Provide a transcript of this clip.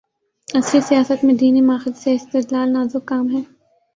عصری سیاست میں دینی ماخذ سے استدلال‘ نازک کام ہے۔